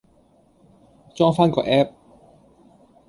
裝返個 app